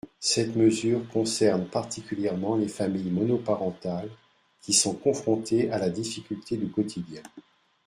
Cette mesure concerne particulièrement les familles monoparentales, qui sont confrontées à la difficulté du quotidien.